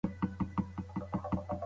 متوازن خوراک د ژوند کیفیت لوړوي.